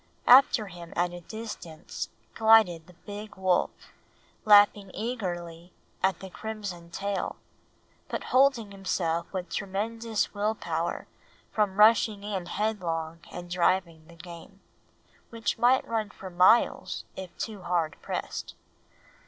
After him at a distance glided the big wolf, lapping eagerly at the crimson trail, but holding himself with tremendous will power from rushing in headlong and driving the game, which might run for miles if too hard pressed.